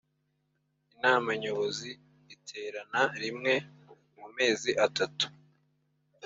inama nyobozi iterana rimwe mu mezi atatu